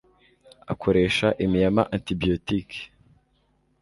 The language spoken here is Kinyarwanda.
akoresha imi yama antibiotique